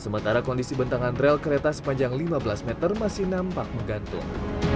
sementara kondisi bentangan rel kereta sepanjang lima belas meter masih nampak menggantung